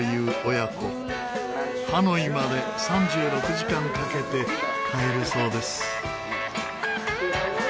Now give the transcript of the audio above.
ハノイまで３６時間かけて帰るそうです。